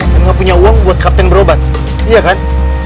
dan gak punya uang buat kapten berobat iya kan